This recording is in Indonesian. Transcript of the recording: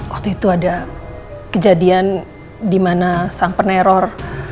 waktu itu ada kejadian dimana sang peneror